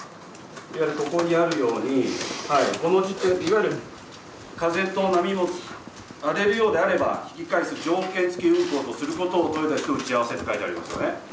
ここにあるように、いわゆる、風と波もあれるようであればそれに対する引き返す条件付き運航とすることを豊田氏と打ち合わせと書いてありますよね？